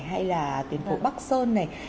hay là tuyến phố bắc sơn này